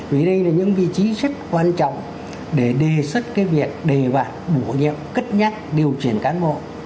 vì đây là những vị trí rất quan trọng để đề xuất cái việc đề bạt bổ nhiệm cất nhắc điều chuyển cán bộ